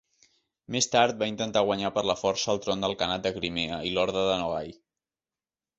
Més tard va intentar guanyar per la força el tron del Khanat de Crimea i l'Horda de Nogai.